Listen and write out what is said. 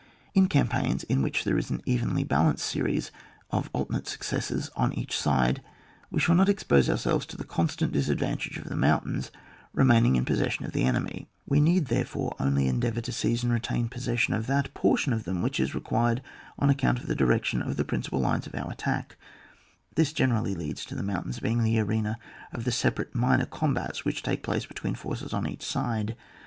In campaigns, in which there is an evenly balanced series of alternate successes on each side, we shall not expose ourselves to the constant disadvantage of the mountains remaining in possession of the enemy: we need, therefore, only endeavour to seize and retain possession of that portion of them which is required on account of the direction of the principal lines of our attack ; this generally leads to the moun tains being the arena of the separate minor combats which take place between forces on each side.